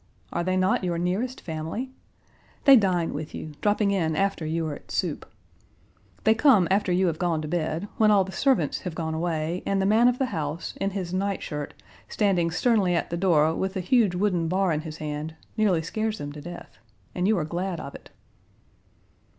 Are they not your nearest family? They dine with you, dropping in after you are at soup. They come after you have gone to bed, when all the servants have gone away, and the man of the house, in his nightshirt, standing sternly at the door with the huge wooden bar in his hand, nearly scares them to death, and you are glad of it."